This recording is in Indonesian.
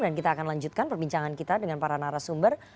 dan kita akan lanjutkan perbincangan kita dengan para narasumber